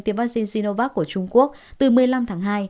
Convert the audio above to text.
tiêm vaccine novak của trung quốc từ một mươi năm tháng hai